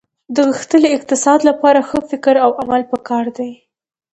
د غښتلي اقتصاد لپاره ښه فکر او عمل په کار دي